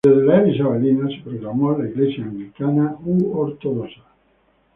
Desde la era isabelina se proclamó la iglesia anglicana u ortodoxa.